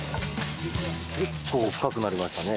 結構深くなりましたね。